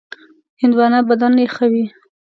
هندوانه بدن یخوي.